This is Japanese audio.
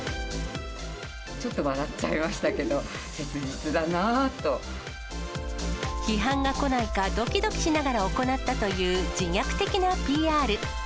ちょっと笑っちゃいましたけ批判が来ないか、どきどきしながら行ったという自虐的なＰＲ。